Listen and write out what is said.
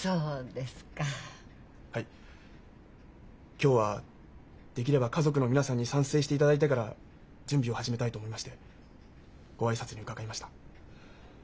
今日はできれば家族の皆さんに賛成していただいてから準備を始めたいと思いましてご挨拶に伺いました。